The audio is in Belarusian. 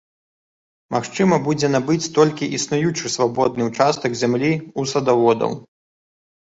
Магчыма будзе набыць толькі існуючы свабодны ўчастак зямлі ў садаводаў.